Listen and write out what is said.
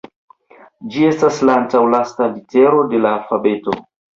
Ĝi estas la antaŭlasta litero de la alfabeto.